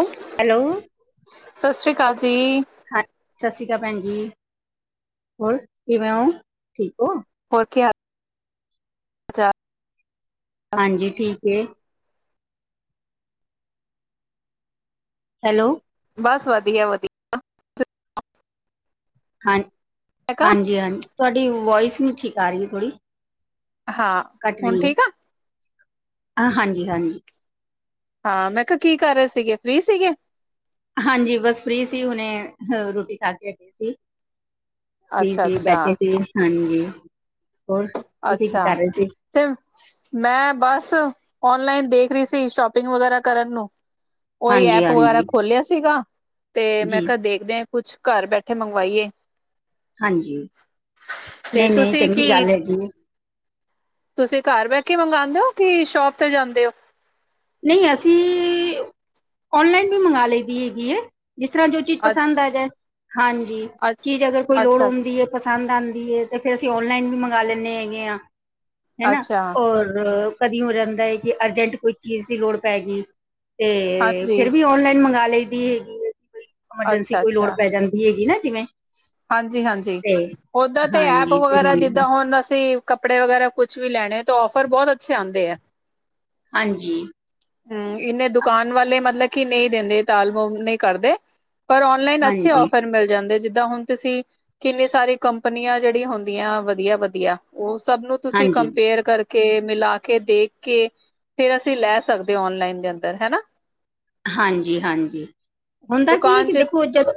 ਔ ਹ ਹੈਲੋ ਸਤਿ ਸ੍ਰੀ ਅਕਾਲ ਜੀ। ਹਾਂ ਸਤਿ ਸ਼੍ਰੀ ਅਕਾਲ ਭੈਣ ਜੀ, ਹੋਰ ਕਿਵੇਂ ਹੋ ਠੀਕ ਹੋ? ਹੋਰ ਕੀ ਹਾਲ ਚਾਲ? ਹਾਂਜੀ ਠੀਕ ਏ। ਹੈਲੋ। ਬਸ ਵਧੀਆ ਵਧੀਆ ਹਾਂ ਮੈਂ ਕਿਹਾ ਹਾਂਜੀ ਹਾਂਜੀ ਤੁਹਾਡੀ ਵੋਇਸ ਨਹੀਂ ਠੀਕ ਆ ਰਹੀ ਹੈ ਥੋੜ੍ਹੀ ਹਾਂ ਕੱਟ ਹੁਣ ਰਹੀ ਹੈ! ਠੀਕ ਆ? ਹਾਂਜੀ ਹਾਂਜੀ ਹਾਂ ਮੈਂ ਕਿਹਾ ਕੀ ਕਰ ਰਹੇ ਸੀਗੇ, ਫ੍ਰੀ ਸੀਗੇ। ਹਾਂਜੀ ਬਸ ਫ੍ਰੀ ਸੀ ਹੁਣੇ ਰੋਟੀ ਖਾ ਕੇ ਹਟੀ ਸੀ। ਜੀ ਅੱਛਾ ਸੀ ਅੱਛਾ, ਬੈਠੇ ਸੀ ਹਾਂਜੀ, ਹੋਰ ਤੁਸੀਂ ਕੀ ਅੱਛਾ ਕਰ ਰਹੇ ਸੀ ਫਿਰ ਮੈਂ ਬਸ ਓਨਲਾਈਨ ਦੇਖ ਰਹੀ ਸੀ ਸ਼ੋਪਿੰਗ ਵਗੈਰਾ ਕਰਨ ਨੂੰ। ਉਹੀ ਹਾਂਜੀ ਐਪ ਵਗੈਰਾ ਹਾਂਜੀ ਖੋਲਿਆ ਸੀਗਾ ਤੇ ਜੀ ਮੈਂ ਕਿਹਾ ਦੇਖਦੇ ਕੁਛ ਘਰ ਬੈਠੇ ਮੰਗਵਾਈਏ। ਹਾਂਜੀ ਤੇ ਨਹੀਂ ਨਹੀਂ ਤੁਸੀਂ ਚੰਗੀ ਕੀ ਗੱਲ ਹੈਗੀ। ਤੁਸੀਂ ਘਾਰ ਬਹਿ ਕੇ ਮੰਗਵਾਉਂਦੇ ਹੋ ਕਿ ਸ਼ੋਪ ਤੇ ਜਾਂਦੇ ਹੋ। ਨਹੀਂ ਅਸੀਂ ਔਨਲਾਈਨ ਵੀ ਮੰਗਾ ਲਈ ਦੀ ਹੈਗੀ ਹੈ। ਜਿਸ ਤਰ੍ਹਾਂ ਜੋ ਚੀਜ਼ ਅੱਛ ਪਸੰਦ ਆ ਜਾਏ ਹਾਂਜੀ ਅੱਛ ਚੀਜ਼ ਅਗਰ ਕੋਈ ਲੋੜ ਅੱਛਾ ਹੁੰਦੀ ਅੱਛਾ, ਏ ਪਸੰਦ ਆਂਦੀ ਹੈ ਤੇ ਫੇਰ ਅਸੀਂ ਔਨਲਾਈਨ ਵੀ ਮੰਗਵਾ ਲੈਂਦੇ ਹੈਗੇ ਆ। ਹੈਨਾ ਅੱਛਾ ਔਰ ਕਦੀ ਹੋ ਜਾਂਦਾ ਹੈ ਕਿ ਅਰਜੈਂਟ ਕੋਈ ਚੀਜ਼ ਦੀ ਲੋੜ ਪੈ ਗਈ, ਤੇ ਹਾਂਜੀ, ਫਿਰ ਵੀ ਔਨਲਾਈਨ ਮੰਗਵਾ ਲਈ ਦੀ ਏ ਐਮਰਜੈਂਸੀ ਅੱਛਾ ਕੋਈ ਅੱਛਾ। ਲੋੜ ਪੈ ਜਾਂਦੀ ਹੈਗੀ ਨਾ ਜਿਵੇਂ? ਹਾਂਜੀ-ਹਾਂਜੀ, ਤੇ ਓਦਾਂ ਤੇ ਐਪ ਹਾਂਜੀ ਤੇ ਵਗੈਰਾ ਮੰਗ ਜਿਦਾ ਹੁਣ ਅਸੀ ਕੱਪੜੇ ਵਗੈਰਾ ਕੁਛ ਵੀ ਲੈਣੇ ਤਾਂ ਔਫਰ ਬਹੁਤ ਅੱਛੇ ਆਂਦੇ ਆ। ਹਾਂਜੀ। ਹੂੰ, ਇਨੇ ਦੁਕਾਨ ਵਾਲੇ ਮਤਲਬ ਕਿ ਨਹੀ ਦਿੰਦੇ ਤਾਲ ਮੋਲ ਨਹੀਂ ਕਰਦੇ। ਪਰ ਔਨਲਾਈਨ ਅੱਛੇ ਹਾਂਜੀ ਔਫਰ ਮਿਲ ਜਾਂਦੇ, ਜਿੱਦਾਂ ਹੁਣ ਤੁਸੀਂ ਕਿੰਨੀ ਸਾਰੀ ਕੰਪਨੀਆਂ ਜਿਹੜੀਆਂ ਹੁੰਦੀਆਂ ਵਧੀਆ- ਵਧੀਆ ਉਹ ਸਭ ਨੂੰ ਤੁਸੀਂ ਹਾਂਜੀ ਕੰਪੇਅਰ ਕਰ ਕੇ ਮਿਲਾ ਕੇ ਦੇਖ ਕੇ ਫੇਰ ਅਸੀ ਲੈ ਸਕਦੇ ਔਨਲਾਈਨ ਦੇ ਅੰਦਰ ਹੈਨਾ? ਹਾਂਜੀ-ਹਾਂਜੀ, ਹੁੰਦਾ ਕੀ ਹੈ, ਦੁਕਾਨ ਕਿ ਚ ਦੇਖੋ ਜਦੋ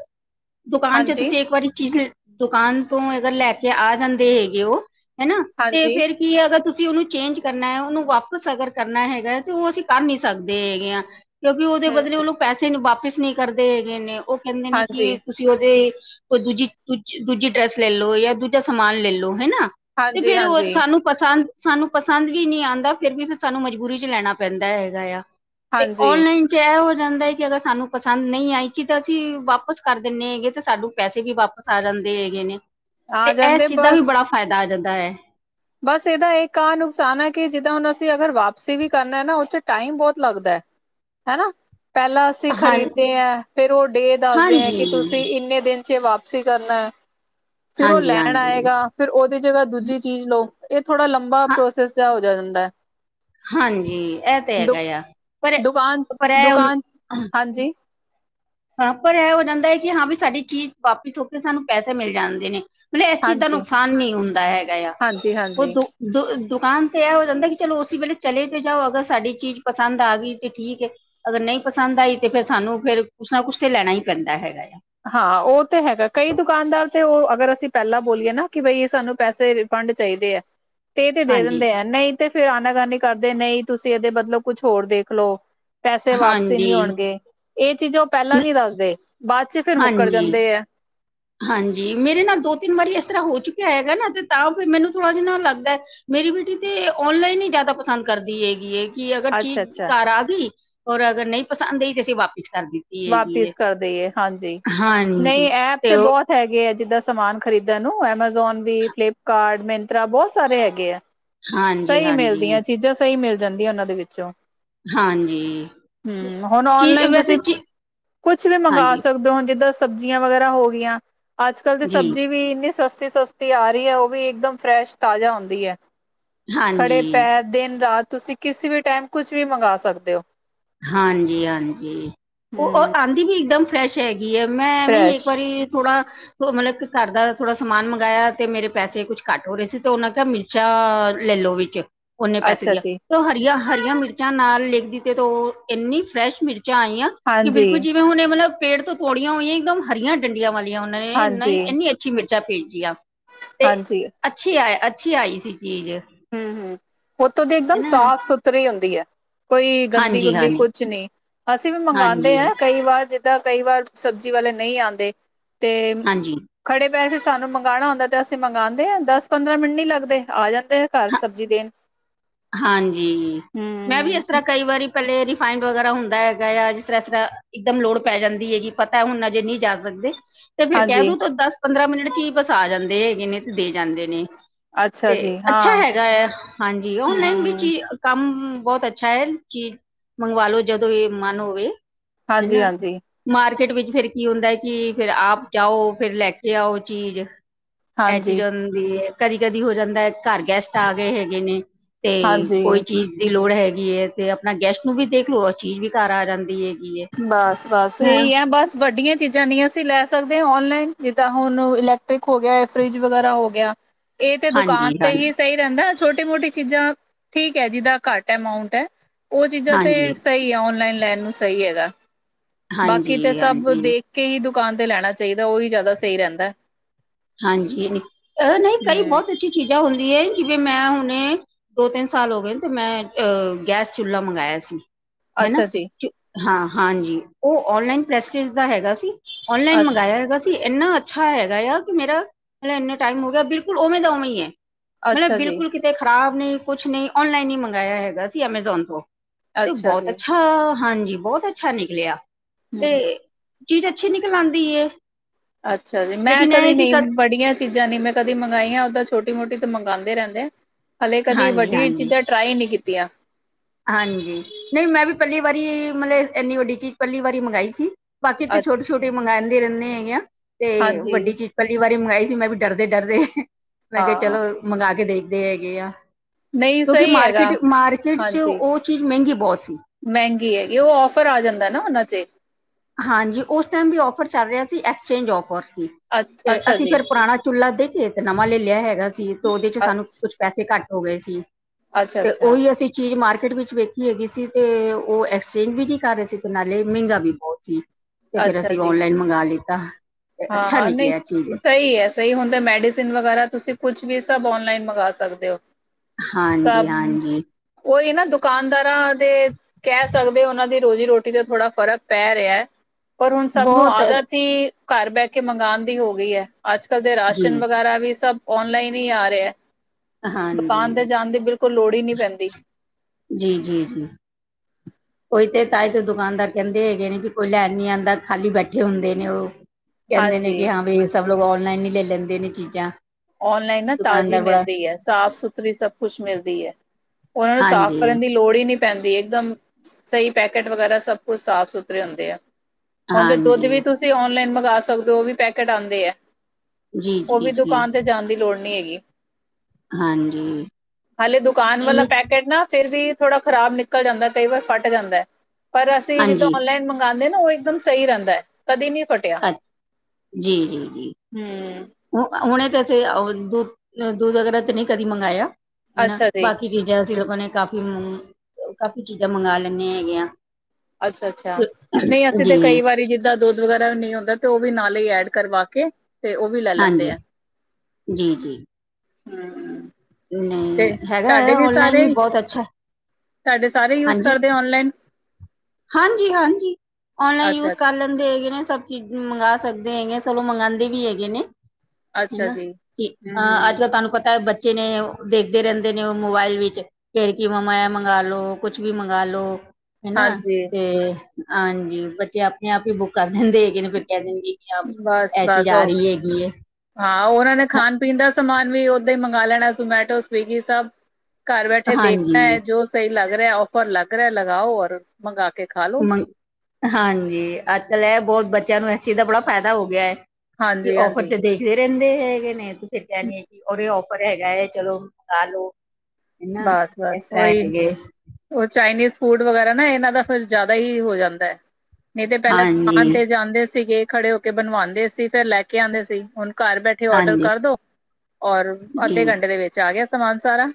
ਦੁਕਾਨ ਚ ਤੁਸੀ ਇੱਕ ਵਾਰੀ ਚੀਜ਼ ਦੁਕਾਨ ਤੋਂ ਅਗਰ ਲੈ ਕੇ ਆ ਜਾਂਦੇ ਹੈਗੇ ਹੋ, ਹੈਨਾ ਤੇ ਹਾਂਜੀ-ਹਾਂਜੀ। ਫੇਰ ਕਿ ਅਗਰ ਤੁਸੀਂ ਉਹਨੂੰ ਚੇਂਜ ਕਰਨਾ ਹੈ, ਉਹਨੂੰ ਵਾਪਸ ਅਗਰ ਕਰਨਾ ਹੈਗਾ ਤੇ ਉਹ ਅਸੀਂ ਕਰ ਨੀ ਸਕਦੇ ਹੈਗੇ ਆਂ। ਕਿਉਂਕਿ, ਉਹਦੇ ਹੂੰ ਬਦਲੇ ਉਹਨੂੰ ਪੈਸੇ ਵਾਪਿਸ ਨਹੀਂ ਕਰਦੇ ਹੈਗੇ ਨੇ, ਉਹ ਕਹਿੰਦੇ ਨੇ ਕਿ ਤੁਸੀਂ ਉਹਦੇ ਕੋਈ ਦੂਜੀ ਦੂਜੀ ਡਰੈਸ ਲੈ ਲੋ ਜਾਂ ਦੂਜਾ ਸਮਾਨ ਲੈ ਲੋ ਹੈਨਾ? ਤੇ ਫੇਰ ਉਹ ਸਾਨੂੰ ਪਸੰਦ ਸਾਨੂੰ ਪਸੰਦ ਵੀ ਨੀ ਆਂਦਾ ਫਿਰ ਵੀ ਸਾਨੂੰ ਮਜਬੂਰੀ ਚ ਲੈਣਾ ਪੈਂਦਾ ਹੈਗਾ ਆ। ਤੇ ਹਾਂਜੀ-ਹਾਂਜੀ-ਹਾਂਜੀ-ਹਾਂਜੀ ਔਨਲਾਈਨ ਇਹ ਹੋ ਜਾਂਦਾ ਹੈ, ਕਿ ਅਗਰ ਸਾਨੂੰ ਪਸੰਦ ਨਹੀਂ ਆਈ ਚੀਜ ਤਾਂ ਅਸੀਂ ਵਾਪਿਸ ਕਰ ਦਿੰਦੇ ਹੈਗੇ ਤੇ ਸਾਨੂੰ ਪੈਸੇ ਵੀ ਵਾਪਸ ਆ ਜਾਂਦੇ ਹੈਗੇ ਨੇ ਤੇ ਆ ਇਹ ਜਾਂਦੇ ਚੀਜ਼ ਦਾ ਵੀ ਬਸ ਬੜਾ ਫਾਇਦਾ ਆ ਜਾਂਦਾ ਹੈ। ਬਸ ਇਹਦਾ ਇੱਕ ਆਹ ਨੁਕਸਾਨ ਹੈ ਕਿ ਜਿੱਦਾਂ ਹੁਣ ਅਸੀਂ ਅਗਰ ਵਾਪਸੀ ਵੀ ਕਰਨਾ ਨਾ ਉਦੇ ਚ ਟਾਈਮ ਬਹੁਤ ਲੱਗਦਾ ਏ। ਹੈਨਾ, ਪਹਿਲਾਂ ਅਸੀ ਹਾਂ ਖਰੀਦਦੇ ਆਂ, ਫੇਰ ਉਹ ਡੇ ਦੱਸਦੇ ਆ ਹਾਂਜੀ ਕਿ ਤੁਸੀਂ ਇੰਨੇ ਦਿਨ ਚ ਵਾਪ ਸੀ ਕਰਨਾ ਹੈ, ਫਿਰ ਉਹ ਹਾਂਜੀ ਲੈਣ ਹਾਂਜੀ ਆਏਗਾ ਫੇਰ ਉਹਦੀ ਜਗ੍ਹਾ ਦੂਜੀ ਚੀਜ਼ ਲਓ। ਇਹ ਥੋੜਾ ਲੰਬਾ ਹਾਂ ਪ੍ਰੋਸੈਸ ਜਿਹਾ ਹੋ ਜਾ ਜਾਂਦਾ ਹੈ। ਹਾਂਜੀ ਇਹ ਤੇ ਦੁ ਹੈਗਾ ਆ ਪਰ ਦੁਕਾਨ, ਪਰ ਇਹ ਦੁਕਾਨ ਹੁਣ- ਹਾਂਜੀ ਹਾਂ, ਪਰ ਇਹ ਹੋ ਜਾਂਦਾ ਹੈ, ਕਿ ਹਾਂ ਵੀ ਸਾਡੀ ਚੀਜ਼ ਵਾਪਿਸ ਹੋ ਕੇ ਸਾਨੂੰ ਪੈਸੇ ਮਿਲ ਜਾਂਦੇ ਨੇ। ਮਤਲਬ ਇਸ ਚੀਜ਼ ਦਾ ਹਾਂਜੀ ਨੁਕਸਾਨ ਨਹੀਂ ਹੁੰਦਾ ਹੈਗਾ ਆ। ਹਾਂਜੀ ਉਹ ਹਾਂਜੀ ਦ ਦੁ ਦੁਕਾਨ ਤੇ ਇਹ ਹੋ ਜਾਂਦਾ, ਕਿ ਚਲੋ ਉਸੀ ਵੇਲੇ ਚਲੇ ਤੇ ਜਾਓ, ਅਗਰ ਸਾਡੀ ਚੀਜ਼ ਪਸੰਦ ਆ ਗਈ ਤੇ ਠੀਕ ਏ ਅਗਰ ਨਹੀਂ ਪਸੰਦ ਆਈ ਤੇ ਫਿਰ ਸਾਨੂੰ ਫਿਰ ਕੁਛ ਨਾ ਕੁਛ ਤਾਂ ਲੈਣਾ ਹੀ ਪੈਂਦਾ ਹੈਗਾ ਏ। ਹਾਂ, ਉਹ ਤੇ ਹੈਗਾ। ਕਈ ਦੁਕਾਨਦਾਰ ਤੇ ਉਹ ਅਗਰ ਅਸੀਂ ਪਹਿਲਾਂ ਬੋਲੀਏ ਨਾ ਕਿ ਬਈ ਸਾਨੂੰ ਪੈਸੇ ਫੰਡ ਚਾਹੀਦੇ ਏ ਤੇ ਤੇ ਦੇ ਹਾਂਜੀ ਦਿੰਦੇ ਆ ਨਹੀਂ ਤੇ ਫੇਰ ਆਨਾ ਕਾਨੀ ਕਰਦੇ ਨਹੀਂ ਤੁਸੀਂ ਇਹਦੇ ਬਦਲੋ ਕੁਛ ਹੋਰ ਦੇਖ ਲੋ। ਪੈਸੇ ਵਾਪਸੀ ਹਾਂਜੀ ਨਹੀਂ ਹੋਣਗੇ। ਇਹ ਚੀਜ਼ਾਂ ਉਹ ਪਹਿਲਾਂ ਮ- ਨੀ ਦੱਸਦੇ, ਬਾਦ ਚ ਫਿਰ ਮੁੱਕਰ ਹਾਂਜੀ ਜਾਂਦੇ ਆ। ਹਾਂਜੀ, ਮੇਰੇ ਨਾਲ ਦੋ- ਤਿੰਨ ਵਾਰੀ ਇਸ ਤਰ੍ਹਾਂ ਹੋ ਚੁੱਕਿਆ ਹੈਗਾ ਨਾ ਤੇ ਤਾਂ ਫੇਰ ਮੈਨੂੰ ਥੋੜ੍ਹਾ ਜਿਨਾ ਲੱਗਦਾ ਮੇਰੀ ਬੇਟੀ ਤੇ ਔਨਲਾਈਨ ਹੀ ਜ਼ਿਆਦਾ ਪਸੰਦ ਕਰਦੀ ਹੈਗੀ ਏ। ਕਿ ਅਗਰ ਚੀਜ਼ ਅੱਛਾ ਅੱਛਾ ਘਰ ਆ ਗਈ ਔਰ ਅਗਰ ਨਹੀਂ ਪਸੰਦ ਆਈ ਤੇ ਅਸੀ ਵਾਪਿਸ ਕਰ ਦਿੱਤੀ। ਹੈਗੀ ਹੈ ਵਾਪਿਸ ਕਰ ਦੇਈਏ, ਹਾਂਜੀ। ਨਹੀਂ ਹਾਂਜੀ ਇਹ ਤੇ ਉਹ ਬਹੁਤ ਹੈਗੇ ਆ ਜਿੱਦਾਂ ਸਮਾਨ ਖਰੀਦਣ ਨੂੰ ਐਮਾਜ਼ੋਨ ਵੀ, ਫਲਿੱਪਕਾਰਟ, ਮੈਨ ਤਰਾ ਬਹੁਤ ਸਾਰੇ ਹੈਗੇ ਆ। ਹਾਂਜੀ ਸਹੀ ਹਾਂਜੀ ਮਿਲਦੀਆਂ ਚੀਜ਼ਾਂ, ਸਹੀ ਮਿਲ ਜਾਂਦੀਆਂ ਉਹਨਾਂ ਦੇ ਵਿੱਚੋਂ ਹਾਂਜੀ, ਹਮ ਹੁਣ ਚੀਜ ਔਨਲਾਈਨ ਤੁਸੀਂ ਵੈਸੇ ਚੀ ਕੁਛ ਵੀ ਮੰਗਵਾ ਹਾਂਜੀ, ਸਕਦੇ ਹੋ, ਜਿੱਦਾਂ ਸਬਜ਼ੀਆਂ ਵਗੈਰਾ ਹੋ ਗਈਆਂ। ਅੱਜ-ਕੱਲ ਤੇ ਜੀ, ਸਬਜ਼ੀ ਵੀ ਇੰਨੀ ਸਸਤੀ- ਸਸਤੀ ਆ ਰਹੀ ਹੈ। ਉਹ ਵੀ ਇੱਕਦਮ ਫਰੈਸ਼, ਤਾਜ਼ਾ ਹੁੰਦੀ ਹੈ। ਖੜੇ ਹਾਂਜੀ, ਪੈਰ, ਦਿਨ- ਰਾਤ, ਤੁਸੀਂ ਕਿਸੇ ਵੀ ਟਾਈਮ ਕੁਛ ਵੀ ਮੰਗਾ ਸਕਦੇ ਹੋ। ਹਾਂਜੀ- ਹਾਂਜੀ ਉਹ ਹਮ ਆਂਦੀ ਵੀ ਇੱਕਦਮ ਫਰੈਸ਼ ਹੈਗੀ ਏ, ਮੈਂ ਐਵੇਂ ਹੀ ਫਰੈਸ਼ ਇੱਕ ਵਾਰੀ ਥੋੜਾ ਮਤਲਬ ਘਰ ਦਾ ਥੋੜਾ ਸਮਾਨ ਮੰਗਇਆ ਤੇ ਮੇਰੇ ਪੈਸੇ ਕੁੱਛ ਘਟ ਹੋ ਰਹੇ ਸੀ, ਤੇ ਉਹਨਾਂ ਕਿਹਾ ਮਿਰ ਚਾ ਲੈ ਲੋ ਵਿੱਚ ਓਨੇ ਪੈਸੇ ਅੱਛਾ ਦੀਆਂ, ਜੀ ਤੇ ਹਰੀਆਂ- ਹਰੀਆਂ ਮਿਰਚਾਂ ਨਾਲ ਲੇਂਦੀ ਤੇ ਤੋ ਇੰਨੀ ਫਰੈਸ਼ ਮਿਰਚਾਂ ਆਈਆਂ ਕਿ ਹਾਂਜੀ ਬਿਲਕੁਲ ਜਿਵੇਂ ਹੁਣੇ ਮਤਲਬ ਪੇੜ ਤੋਂ ਤੋੜੀਆਂ ਹੋਈਆਂ ਇਕਦਮ ਹਰੀਆਂ ਡੰਡੀਆਂ ਵਾਲੀਆਂ ਉਹਨਾਂ ਨੇ, ਇਨਾ ਹਾਂਜੀ ਹੀ ਇੰਨੀ ਅੱਛੀ ਮਿਰਚਾਂ ਭੇਜੀ ਆ। ਹਾਂਜੀ। ਅੱਛੀ ਆ ਅੱਛੀ ਆਈ ਸੀ ਚੀਜ਼। ਹੂੰ-ਹੂੰ ਉੱਥੋਂ ਦੀ ਇਕਦਮ ਹਨਾ ਸਾਫ ਸੁਥਰੀ ਹੁੰਦੀ ਹੈ। ਕੋਈ ਗੰਦੀ- ਹਾਂਜੀ ਗੁੰਦੀ ਹਾਂਜੀ ਕੁਛ ਨਹੀਂ, ਅਸੀਂ ਵੀ ਮੰਗਵਾਉਂਦੇ ਹਾਂਜੀ ਹ ਕਈ ਵਾਰ ਜਿੱ- ਦਾਂ ਕਈ ਵਾਰ ਸਬਜ਼ੀ ਵਾਲੇ ਨਹੀਂ ਆਉਂਦੇ, ਤੇ- ਹਾਂਜੀ ਖੜੇ ਪੈਸੇ ਸਾਨੂੰ ਮੰਗਵਾਉਣਾ ਹੁੰਦਾ ਤੇ ਅਸੀਂ ਮੰਗਵਾਉਂਦੇ ਹਾਂ, ਦਸ- ਪੰਦਰਾਂ ਮਿੰਟ ਨੀ ਲੱਗਦੇ ਆ ਜਾਂਦੇ ਐ। ਘਰ ਹਾਂ ਸਬਜ਼ੀ ਦੇਣ। ਹਾਂਜੀ ਮੈਂ ਵੀ- ਜਿਸ ਹੂੰ। ਤਰਾਂ ਕਈ ਵਾਰੀ ਪਹਿਲੇ ਰਿਫਾਈੰਡ ਵਗੈਰਾ ਹੁੰਦਾ ਹੈਗਾ ਆ, ਜਿਸ ਤਰਾਂ-ਇਸ ਤਰਾਂ ਇਕਦਮ ਲੋੜ ਪੈ ਜਾਂਦੀ ਹੈਗੀ। ਪਤਾ ਹੁਣ ਅਜੇ ਨਹੀਂ ਜਾ ਸਕਦੇ। ਤੇ ਫੇਰ ਕਹਿ ਹਾਂਜੀ, ਦੂ ਤਾਂ ਦਸ- ਪੰਦਰਾਂ ਮਿੰਟ ਚ ਹੀ ਬਸ ਆ ਜਾਂਦੇ ਹੈਗੇ ਨੇ, ਤੇ ਦੇ ਜਾਂਦੇ ਨੇ। ਅੱਛਾ ਤੇ ਜੀ ਅੱਛਾ ਹਾਂ, ਹੈਗਾ ਆ, ਹਾਂਜੀ ਓਨਲਾਈਨ ਵੀ। ਹੂੰ, ਚੀ ਕੰਮ ਬਹੁਤ ਅੱਛਾ ਹੈ, ਚੀਜ਼ ਮੰਗਵਾਲੋ ਜਦੋਂ ਵੀ ਮਨ ਹੋਵੇ। ਹੈਨਾ। ਹਾਂਜੀ-ਹਾਂਜੀ, ਮਾਰਕੀਟ ਵਿੱਚ ਫੇਰ ਕੀ ਹੁੰਦਾ ਕਿ ਫੇਰ ਆਪ ਜਾਓ, ਫੇਰ ਲੈ ਕੇ ਆਓ ਚੀਜ਼। ਇਹ ਚੀਜ਼ ਹਾਂਜੀ। ਹੁੰਦੀ ਐ, ਕਦੀ- ਕਦੀ ਹੋ ਜਾਂਦਾ ਘਰ ਗੈਸਟ ਆ ਗਏ ਹੈਗੇ ਨੇ। ਤੇ ਕੋਈ ਹਾਂਜੀ, ਚੀਜ਼, ਦੀ ਲੋੜ ਹੈਗੀ ਹੈ ਤੇ, ਆਪਣਾ ਗੈਸਟ ਨੂੰ ਵੀ ਦੇਖ ਲੋੋ ਔਰ ਚੀਜ਼ ਵੀ ਘਰ ਆ ਜਾਂਦੀ ਹੈਗੀ ਏ। ਬਸ- ਬਸ ਇਹੀ ਹੈ ਬਸ। ਵੱਡੀਆਂ ਚੀਜ਼ਾਂ ਨਹੀਂ ਅਸੀਂ ਲੈ ਸਕਦੇ ਔਨਲਾਈਨ, ਜਿੱਦਾਂ ਹੁਣ ਇਲੈਕਟ੍ਰਿਕ ਹੋ ਗੇਆ ਫਰਿਜ ਵਗੈਰਾ ਹੋ ਗੇਆ। ਇਹ ਤੇ ਦੁਕਾਨ ਹਾਂਜੀ ਤੇ ਹਾਂਜੀ ਹੀ ਸਹੀ। ਰਹਿੰਦਾ ਛੋਟੀ- ਮੋਟੀ ਚੀਜ਼ਾਂ ਠੀਕ ਹੈ, ਜਿਦਾ ਘੱਟ ਅਮਾਉਂਟ ਹੈ ਉਹ ਚੀਜ਼ਾਂ ਹਾਂਜੀ ਤੇ ਸਹੀ। ਔਨਲਾਈਨ ਲੈਣ ਨੂੰ ਸਹੀ ਹੈਗਾ, ਬਾਕੀ ਤਾਂ ਹਾਂਜੀ ਸਭ ਹਾਂਜੀ ਦੇਖ ਕੇਈ ਦੁਕਾਨ ਤੇ ਲੈਣਾ ਚਾਹੀਦਾ, ਉਹੀ ਜ਼ਿਆਦਾ ਸਹੀ ਰਹਿੰਦਾ। ਹਾਂਜੀ ਨ ਅ ਨਹੀਂ ਕਈ ਹੂੰ ਬਹੁਤ ਅੱਛੀ ਚੀਜ਼ਾਂ ਹੁੰਦੀਆਂ, ਜਿਵੇਂ ਮੈਂ ਹੁਣੇ ਦੋ- ਤਿੰਨ ਸਾਲ ਹੋ ਗਏ ਨੇ, ਤੇ ਮੈਂ ਅਹ ਗੈਸ ਚੁਲਹਾ ਮੰਗਵਾਇਆ ਸੀ। ਹਨਾ ਅੱਛਾ ਜੀ ਹਾਂ ਹਾਂਜੀ, ਉਹ ਨਲਾਈਨ ਪ੍ਸਟੀਜ਼ ਦਾ ਹੈਗਾ ਸੀ। ਔਨਲਾਈਨ ਅੱਛਾ ਮੰਗਵਾਇਆ ਹੈਗਾ ਸੀ, ਇੰਨਾ ਅੱਛਾ ਹੈਗਾ ਆ। ਮੇਰਾ ਮਤਬ ਇਅ ਟਾਈਮ ਹੋ ਗਿਆ ਬਿਲਕੁਲ ਉਵੇਂ ਦਾ ਉਵੇਂ ਹੀ ਹੈ, ਮਤਲਬ ਅੱਛਾ ਜੀ ਬਿਲਕੁਲ। ਕਿਤੇ ਖ਼ਰਾਬ ਨਹੀਂ, ਕੁਛ ਨਹੀਂ ਔਨਲਾਈਨ ਹੀ ਮੰਗਾਇਆ ਹੈਗਾ ਸੀ ਅਮਾਜੋਨ ਤੋਂ। ਤੇ ਬਹੁਤ ਅੱਛਾ, ਹਾਂਜੀ ਬਹੁਤ ਅੱਛਾ ਨਿਕਲਿਆ, ਤੇ ਹੂੰ ਚੀਜ਼ ਅੱਛੀ ਨਿਕਲ ਆਉਂਦੀ ਏ। ਅੱਛਾ ਜੀ ਮੈਂ ਲੇਕਿਨ ਕਦੀ ਇਹ ਕਿ ਨਹੀਂ ਕਦ ਪੜੀਆਂ। ਚੀਜ਼ਾਂ ਨੀ ਮੈਂ ਕਦੀ ਮੰਗਵਾਾਈਆਂ, ਉਦਾਂ ਛੋਟੀ- ਮੋਟੀ ਤਾਂ ਮੰਗਵਾਉਂਦੇ ਰਹਿੰਦੇ ਆ, ਹਲੇ ਕਦੀ ਹਾਂਜੀ ਵੱਡੀ ਹਾਂਜੀ ਚੀਜ਼ਾਂ। ਟਰਾਈ ਨਹੀਂ ਕੀਤੀਆਂ। ਹਾਂਜੀ ਨਹੀਂ ਮੈਂ ਵੀ ਪਹਿਲੀ ਵਾਰੀ ਮਤਲਬ ਇੰਨੀ ਵੱਡੀ ਚੀਜ਼ ਪਹਿਲੀ ਵਾਰੀ ਮੰਗਾਈ ਸੀ। ਬਾਕੀ ਤੇ ਅੱ ਛੋਟੀ-ਛੋਟੀ ਮੰਗਵਾਉਂਦੇ ਰਹਿੰਦੇ ਹੈਗੇ ਆ, ਤੇ ਹਾਂਜੀ ਵੱਡੀ ਚੀਜ਼। ਪੈਲੀ ਵਾਰੀ ਮੰਗਵਾਾਈ ਸੀ ਮੈਂ ਵੀ ਡਰਦੇ ਡਰਦੇ ਮੈਂ ਕੇਆ ਹਾਂ ਚਲੋ ਮੰਗ ਕੇ ਦੇਖਦੇ ਹੈਗੇ ਆ ਨਹੀਂ ਕਿਉਂਕਿ ਸਹੀ ਹੈਗਾ ਮਾਰਕੀਟ ਮਾਰਕੀਟ ਚ ਉਹ ਚੀਜ਼ ਮੈਂਗੀ ਬੋਤ ਸੀ। ਮੈਂਗੀ ਹੈਗੀ ਉਹ ਔਫਰ ਆ ਜਾਂਦਾ ਨਾ ਉਹਨਾਂ ' ਹਾਂਜੀ ਉਸ ਟੈਮ ਵੀ ਔਫਰ ਚੱਲ ਰਿਹਾ ਸੀ ਐਕਸਚੇਂਜ ਔਫਰ ਸੀ। ਅੱ ਤੇ ਅੱਛਾ ਅਸੀਂ ਜੀ ਫੇਰ ਪੁਰਾਣਾ ਚੁਲਾ ਦੇ ਕੇ ਤੇ ਨਵਾਂ ਲੈ ਲਿਆ ਹੈਗਾ ਸੀ ਤੇ ਉਹਦੇ ਚ ਸਾਨੂੰ ਅੱਛ ਕੁਛ ਪੈਸੇ ਘੱਟ ਹੋ ਗਏ ਸੀ ਅੱਛਾ ਤੇ ਅੱਛਾ ਓਈ ਅਸੀਂ ਚੀਜ਼ ਮਾਰਕੀਟ ਵਿੱਚ ਵੇਖੀ ਹੈਗੀ ਸੀ ਤੇ ਉਹ ਐਕਸਚੇਂਜ ਵੀ ਨਹੀਂ ਕਰ ਰਹੇ ਸੀ ਤੇ ਨਾਲੇ ਮੈਂਗਾ ਵੀ ਬੋਤ ਸੀ। ਤੇ ਫੇਰ ਅਸੀਂ ਔਨਲਾਈਨ ਮੰਗਵਾ ਲਿੱਤਾ ਤੇ ਹਾਂ ਅੱਛਾ ਹਾਂ ਨਹੀਂ ਨਿਕਲਿਆ ਚੀਜ਼ ਸਹੀ ਹੈ। ਸ ਹੁੰਦਾ ਮੈਡੀਸਨ ਵਗੈਰਾ ਤੁਸੀਂ ਕੁਛ ਵੀ ਸਬ ਓਨ ਲਾਈਨ ਮੰਗਾ ਸਕਦੇ ਹੋ। ਸਭ ਹਾਂਜੀ-ਹਾਂਜੀ ਉਹਹੀ ਨਾ ਦੁਕਾਨਦਾਰਾਂ ਦੇ ਕੈ ਸਕਦੇ ਉਹਨਾਂ ਦੀ ਰੋਜ਼ੀ ਰੋਟੀ ਤੇ ਥੋੜਾ ਫਰਕ ਪੈ ਰੇਆ ਹੈ ਪਰ ਹੁਣ ਸਭ ਨੂੰ ਬਹੁਤ ਆਦਤ ਹੀ ਘਰ ਬੈ ਕੇ ਮੰਗਾਣ ਦੀ ਹੋ ਗਈ ਹੈ ਅੱਜ ਕੱਲ ਦੇ ਰਾਸ਼ਨ ਜੀ ਵਗੈਰਾ ਵੀ ਸਭ ਔਨਲਾਈਨ ਹੀ ਆ ਰੇਹਾ ਹਾਂਜੀ ਦੁਕਾਨ ਤੇ ਜਾਣ ਦੀ ਬਿਲਕੁਲ ਲੋੜ ਹੀ ਨਹੀਂ ਪੈਂਦੀ ਜੀ ਜੀ ਜੀ ਕੋਈ ਤੇ ਤਈ ਤੇ ਦੁਕਾਨਦਾਰ ਕੈਂਦੇ ਹੈਗੇ ਨੇ ਕਿ ਕੋਈ ਲੈਣ ਨੀ ਆਂਦਾ ਖਾਲੀ ਬੈਠੇ ਹੁੰਦੇ ਨੇ ਉਹ ਕੈਂਦੇ ਨੇ ਹਾਂਜੀ। ਕਿ ਹਾਂ ਬ ਈ ਸਭ ਲੋਕ ਔਨਲਾਈਨ ਹੀ ਲੈ ਲੈਂਦੇ ਨੇ ਚੀਜ਼ਾਂ ਔਨਲਾਈਨ ਨਾ ਤਾਜ਼ੀ ਦੁਕਾਨਦਾਰ ਬੜਾ ਮਿਲਦੀ ਹੈ ਸਾਫ਼ ਸੁਥਰੀ ਸਭ ਕੁਛ ਮਿਲਦੀ ਹੈ। ਉਹਨਾਂ ਨੂੰ ਸਾਫ਼ ਹਾਂਜੀ ਕਰਨ ਦੀ ਲੋੜ ਹੀ ਨਹੀਂ ਪੈਂਦੀ ਇੱਕਦਮ ਸਹੀ ਪੈਕੇਟ ਵਗੈਰਾ ਸਭ ਕੁਛ ਸਾਫ ਸੁਥਰੇ ਹੁੰਦੇ ਆ ਹੁਣ ਤੇ ਦੁੱਧ ਹਾਂਜੀ ਵੀ ਤੁਸੀਂ ਓਨਲਾਈਨ ਮੰਗਵਾ ਸਕਦੇ ਹੋ ਓ ਵੀ ਪੈਕਟ ਆਂਦੇ ਆ ਜੀ ਜੀ ਜੀ ਜਾਣ ਦੀ ਲੋੜ ਨਹੀਂ ਹੈਗੀ ਹਾਂਜੀ ਨਹੀਂ [inaudible] ਹਾਲੇ ਦੁਕਾਨ ਵਾਲਾ ਨਹੀਂ ਪੈਕੇਟ ਨਾ ਫੇਰ ਵੀ ਥੋੜਾ ਖ਼ਰਾਬ ਨਿਕਲ ਜਾਂਦਾ ਕਈ ਵਾਰ ਫੱਟ ਜਾਂਦਾ ਹੈ ਪਰ ਅਸੀਂ ਜਿੱਦੋਂ ਹਾਂਜੀ ਔਨਲਾਈਨ ਮੰ ਗਾਂਦੇ ਨਾ ਉਹ ਇੱਕਦਮ ਸਈ ਰੈਂਦਾ ਹੈ ਕਦੇ ਨਹੀਂ ਫਟਿਆ ਅੱ ਜੀ ਜੀ ਜੀ ਹਮ ਹੁਣੇ ਤੇ ਅਸੀ ਦੁਧ ਦੁਧ ਵਗੈਰਾ ਤੇ ਨਹੀਂ ਕਦੀ ਮੰਗਾਇਆ ਹਨਾ ਅੱਛਾ ਜੀ। ਬਾਕੀ ਚੀਜ਼ਾਂ ਅਸੀਂ ਲੋਕਾਂ ਨੇ ਕਾਫ਼ੀ ਕਾਫ਼ੀ ਚੀਜ਼ਾਂ ਮੰਗਵਾ ਲੈਂਦੇ ਹੈਗੇਆਂ ਅੱਛਾ ਅੱਛਾ ਨਹੀਂ ਅਸੀਂ ਜੀ ਤੇ ਕਈ ਵਾਰੀ ਜ ਦਾ ਦੁੱਧ ਵਗੈਰਾ ਵੀ ਨਹੀਂ ਹੁੰਦਾ ਤੇ ਉਹ ਵੀ ਨਾਲੇ ਈ ਐਡ ਕਰਵਾ ਕੇ ਤੇ ਉਹ ਵੀ ਲੈ ਲੈਂਦੇ ਹਾਂਜੀ ਆ ਜੀ ਜੀ ਹਮ ਨਹੀਂ ਹੈਗਾ ਔਨਲਾਈਨ ਵੀ ਬੋਤ ਅੱਛਾ ਸਾਡੇ ਸਾਰੇ ਯੂਜ ਹਾਂਜੀ, ਕਰਦੇ ਔਨਲਾਈਨ ਹਾਂਜੀ ਹਾਂਜੀ ਔਨਲਾਈਨ ਅੱਛਾ ਯੂਜ ਕਰ ਅੱਛਾ ਲੈ ਦੇ ਹੈਗੇ ਨੇ ਸਭ ਚੀਜ਼ ਮੰਗਾ ਸਕਦੇ ਹੈਗੇ ਸਬ ਮੰਗਵਾਦੇ ਵੀ ਹੈਗੇ ਨੇ ਅੱਛਾ ਹਨਾ ਜੀ ਜ ਅਹ ਅੱਜ ਹੂੰ-ਹੂੰ ਕੱਲ ਤੁਹਾਨੂੰ ਪਤਾ ਹੈ ਬੱਚੇ ਨੇ ਦੇਖਦੇ ਰੈਂਦੇ ਨੇ ਉਹ ਮੋਬਾਇਲ ਵਿੱਚ ਫੇਰ ਕੀ ਮੰਮਾ ਇਹ ਮੰਗਵਾਾਲੋ ਕੁਛ ਵੀ ਮੰਗਾ ਲੋ ਹਨਾ ਹਾਂਜੀ ਤੇ ਹਾਂਜੀ ਬੱਚੇ ਆਪਣੇ ਆਪ ਹੀ ਬੁੱਕ ਕਰ ਦਿੰਦੇ ਹੈਗੇ ਨੇ ਫਿਰ ਕੈ ਦਿੰਦੇ ਕਿ ਹਾਂ ਐਹ ਚੀਜ਼ ਬਸ-ਬਸ ਆ ਉਹ ਰਹੀ ਹੈਗੀ ਹਾਂ ਉਹਨਾਂ ਨੇ ਖਾਣ ਪੀਣ ਦਾ ਸਮਾਨ ਵੀ ਓਦਾਂ ਹੀ ਮੰਗਵਾ ਲੈਣਾ ਜ਼ਮੈਟੋ ਸਵੀਗੀ ਸਭ ਘਰ ਬੈਠੇ ਦੇਖਣਾ ਹਾਂਜੀ। ਹੈ ਜੋ ਸਹੀ ਲੱਗ ਰਿਹਾ ਔਫਰ ਲੱਗ ਰੇਆ ਲਗਾਓ ਔਰ ਮੰਗਾ ਕੇ ਖਾ ਲ ਲੋ ਹਾਂਜੀ ਅੱਜ ਕੱਲ ਇਹ ਬੋਤ ਬੱਚਿਆਂ ਨੂੰ ਇਸ ਚੀਜ਼ ਦਾ ਬੜਾ ਫੈਦਾ ਹੋ ਗਿਆ ਹੈ ਕਿ ਓਫਰ ਹਾਂਜੀ-ਹਾਂਜੀ ਚ ਦੇਖਦੇ ਰੈਂਦੇ ਹੈਗੇ ਨੇ ਤੇ ਫੇਰ ਕੈਨ ਗੇ ਕਿ ਅਰੇ ਓ ਫਰ ਓਫਰ ਹੈਗਾ ਹੈ ਚਲੋ ਮੰਗਾ ਲੋੋ ਹਨਾ ਇਸ ਬਸ-ਬਸ ਤਰ੍ਹਾਂ ਉਹੀ ਹੈਗੇ ਉਹ ਚਾਈਨੀਜ਼ ਫੂਡ ਵਗੈਰਾ ਨਾ ਇਹਨਾਂ ਦਾ ਫਿਰ ਜ਼ਿਆਦਾ ਹੀ ਹੋ ਜਾਂਦਾ ਹੈ ਨਹੀਂ ਤੇ ਪਹਿਲਾਂ ਦੁਕਾਨ ਹਾਂਜੀ ਤੇ ਜਾਂਦੇ ਸੀਗੇ ਖੜੇ ਹੋ ਕੇ ਬਣਵਾਉਂਦੇ ਸੀ ਫਿਰ ਲੈ ਕੇ ਆਉਂਦੇ ਸੀ ਹੁਣ ਘਰ ਬੈਠੇ ਉਥੇ ਔਡਰ ਹਾਂਜੀ ਕਰਦੋ ਔਰ ਜੀ ਅੱਧੇ ਘੰਟੇ ਦੇ ਵਿੱਚ ਆ ਗਿਆ ਸਮਾਨ ਸਾਰਾ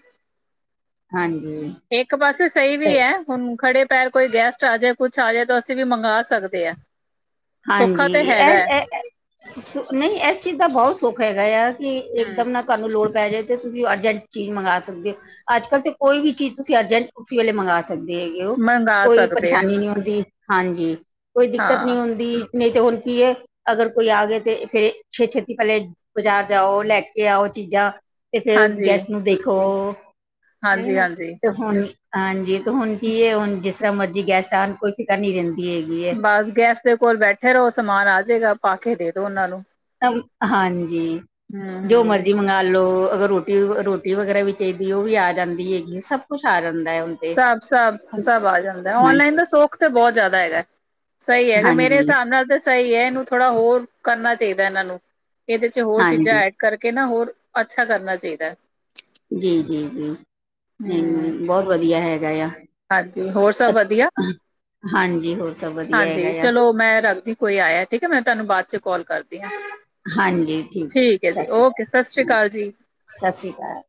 ਹਾਂਜੀ ਇੱਕ ਪਾਸੇ ਸਹੀ ਵੀ ਹੈ ਹੁਣ ਖੜੇ ਪੈਰ ਕੋਈ ਗੈਸਟ ਆ ਜਾਏ ਕੁਛ ਆ ਜਾਏ ਤਾਂ ਅਸੀਂ ਵੀ ਮੰਗਵਾ ਸਕਦੇ ਹ ਹਾਂਜੀ ਇਹ ਨਹੀਂ ਇਸ ਚੀਜ਼ ਦਾ ਬਹੁਤ ਸੁਖ ਹੈਗਾ ਆ ਕਿ ਹਮ ਇੱਕਦਮ ਨਾ ਤੁਹਾਨੂੰ ਲੋੜ ਪੈ ਜਾਵੇ ਅਤੇ ਤੁਸੀਂ ਅਰਜੈਂਟ ਚੀਜ਼ ਮੰਗਾਵਾ ਸਕਦੇ ਹੋ- ਅੱਜ ਕੱਲ੍ਹ ਤੇ ਕੋਈ ਵੀ ਚੀਜ਼ ਤੁਸੀਂ ਅਰਜੈਂਟ ਉਸੀ ਵੇਲੇ ਮੰਗਗਾ ਸਕ ਸਕਦੇ ਹੈਗੇ ਉਹ, ਮੰਗਵਾ ਕੋਈ ਸਕਦੇ ਆ ਪਰੇਸ਼ਾਨੀ ਨਹੀਂ ਹੁੰਦੀ ਹਾਂਜੀ ਕੋਈ ਹਾਂ ਦਿੱਕਤ ਨੀ ਹੁੰਦੀ ਦੀ ਨਹੀਂ ਤੇ ਹੁਣ ਕੀ ਹੈ ਅਗਰ ਕੋਈ ਆ ਗਏ ਤੇ ਫੇਰ ਛੇ ਛੇਤੀ ਪਹਿਲੇ ਬਾਜ਼ਾਰ ਜਾਓ ਲੈ ਕੇ ਆਓ ਚੀਜ਼ਾਂ ਤੇ ਫਿਰ ਹਾਂਜੀ ਗੈਸਟ ਨੂੰ ਦੇਖੋ ਹਾਂਜੀ ਹੈਨਾ ਹਾਂਜੀ ਤੇ ਹੁਣ ਹਾਂਜੀ ਤੇ ਹੁਣ ਕੀ ਹੈ ਹੁਣ ਜਿਸ ਤਰ੍ਹਾਂ ਮਰਜ਼ੀ ਗੈਸਟ ਆਉਣ ਕੋਈ ਫ਼ਿਕਰ ਨਹੀਂ ਰਹਿੰਦੀ ਹੈਗੀ ਹੈ ਬਸ ਗੈਸਟ ਦੇ ਕੋਲ ਬੈਠੇ ਰਹੋ ਸਮਾਨ ਆਜੇਗਾ ਪਾ ਕੇ ਦੇ ਦੋ ਉਹਨਾਂ ਨੂੰ ਹਾਂਜੀ ਹਮ ਜੋ ਹਮ ਮਰਜੀ ਮੰਗ ਨਾਲ ਲਓ ਅਗਰ ਰੋਟੀ ਰੋਟੀ ਵਗੈਰਾ ਵੀ ਚਾਹੀਦੀ ਉਹ ਵੀ ਆ ਜਾਂਦੀ ਹੈਗੀ ਹੈ, ਸਭ ਕੁਛ ਆ ਜਾਂਦਾ ਹੈ ਤੇ ਸਭ ਸਭ ਸਭ ਆ ਜਾਂਦਾ ਹਾਂ ਔਨਲਾਈਨ ਦਾ ਸੋਖ ਤਾਂ ਬਹੁਤ ਜ਼ਿਆਦਾ ਹੈਗਾ, ਸਹੀ ਹੈਗਾ ਮੇਰੇ ਹਾਂਜੀ ਹਿਸਾਬ ਨਾਲ ਤਾਂ ਸਹੀ ਹੈ ਇਹਨੂੰ ਥੋੜ੍ਹਾ ਹੋਰ ਕਰਨਾ ਚਾਹੀਦਾ ਇਹਨਾਂ ਨੂੰ, ਇਹਦੇ ਚ ਹੋਰ ਚੀਜ਼ਾਂ ਹਾਂਜੀ ਐਡ ਕਰਕੇ ਨਾ ਹੋਰ ਅੱਛਾ ਕਰਨਾ ਚਾਹੀਦਾ ਹੈ ਜੀ ਜੀ ਜੀ ਹੂੰ। ਨਹੀਂ, ਬਹੁਤ ਵਧੀਆ ਹੈਗਾ ਆ, ਹਾਂਜੀ ਹੋਰ ਸਭ ਅੱਛ ਵਧੀਆ ਹਾਂਜੀ ਹੋਰ ਸਭ ਵਧੀਆ ਹਾਂਜੀ ਹੈਗਾ ਆ ਚਲੋ ਮੈਂ ਰੱਖਦੀ, ਕੋਈ ਆਇਆ ਠੀਕ ਹੈ ਮੈਂ ਤੁਹਾਨੂੰ ਬਾਅਦ ਚ ਕਾਲ ਕਰਦੀ ਆਂ ਠੀਕ ਹੈ ਜੀ ਓਕੇ ਸਤਿ ਸ੍ਰੀ ਅਕਾਲ ਜੀ, ਸਤਿ ਸ਼੍ਰੀ ਅਕਾਲ,